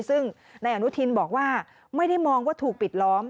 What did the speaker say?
ซึ่งนายอนุทินบอกว่าไม่ได้มองว่าถูกปิดล้อม